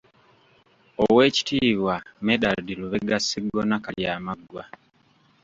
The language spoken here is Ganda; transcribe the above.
Owekitiibwa Medard Lubega Sseggona Kalyamaggwa.